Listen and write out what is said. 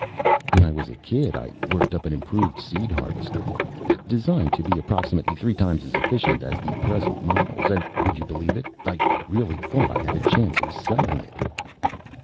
"When I was a kid, I worked up an improved seeder harvester. Designed to be approximately three times as efficient as the present models. And would you believe it, I really thought I had a chance of selling it."